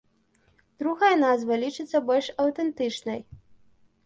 Другая назва лічыцца больш аўтэнтычнай.